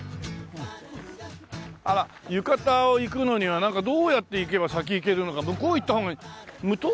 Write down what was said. あら浴衣行くのにはなんかどうやって行けば先行けるのか向こう行った方が。